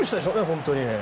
本当に。